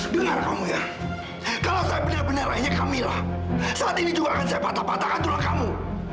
dengar kamu ya kalau saya bener bener lainnya kamila saat ini juga akan saya patah patahkan tulang kamu